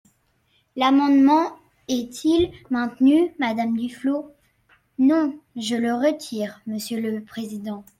L’amendement est-il maintenu, Madame Duflot ? Non, je le retire, monsieur le président.